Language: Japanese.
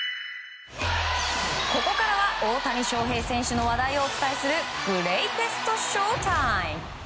ここからは大谷翔平選手の話題をお伝えするグレイテストＳＨＯ‐ＴＩＭＥ。